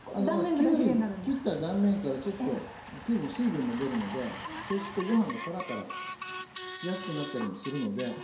きゅうり切った断面からちょっときゅうりの水分も出るのでそうするとご飯がパラパラしやすくなったりもするので。